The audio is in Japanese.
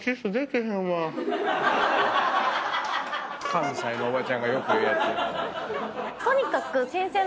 関西のおばちゃんがよく言うやつ。